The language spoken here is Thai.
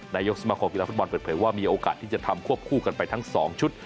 นายกสมาคมกีฬาฟุตบอลเปิดเผยว่ามีโอกาสที่จะทำควบคู่กันไปทั้ง๒ชุด